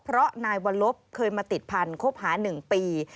เพราะนายวัลลบเคยมาติดพันธบหา๑ปี